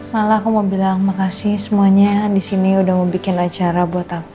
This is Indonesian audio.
malah aku mau bilang makasih semuanya disini udah mau bikin acara buat aku